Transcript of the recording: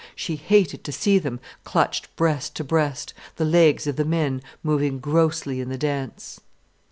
She hated to see them clutched breast to breast, the legs of the men moving grossly in the dance.